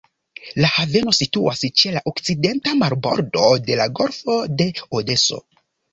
La haveno situas ĉe la okcidenta marbordo de la golfo de Odeso.